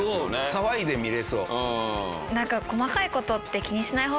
騒いで見られそう。